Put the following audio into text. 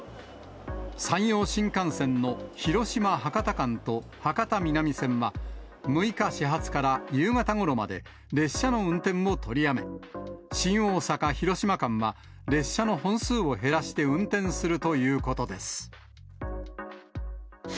山陽新幹線の広島・博多間と博多南線は、６日始発から夕方ごろまで、列車の運転を取りやめ、新大阪・広島間は、列車の本数を減らして運転するということです。